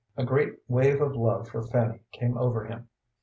A great wave of love for Fanny came over him.